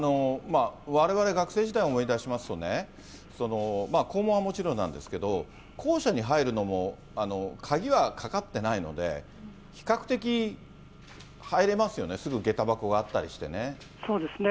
われわれ学生時代、思い出しますとね、校門はもちろんなんですけど、校舎に入るのも、鍵はかかってないので、比較的入れますよね、そうですね。